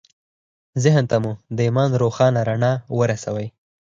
ذهن ته مو د ایمان روښانه رڼا ورسوئ